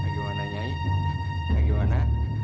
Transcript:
bagaimana nyai bagaimana